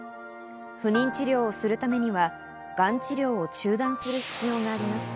不妊治療するためには、がん治療を中断する必要があります。